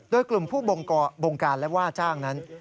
โดยกลุ่มผู้บงการและว่าจ้างนั้น